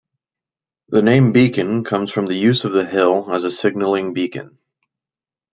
The name Beacon comes from the use of the hill as a signalling beacon.